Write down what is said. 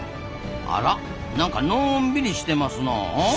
あらなんかのんびりしてますなあ。